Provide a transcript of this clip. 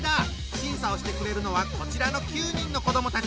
審査をしてくれるのはこちらの９人の子どもたち。